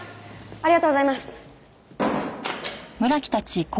ありがとうございます。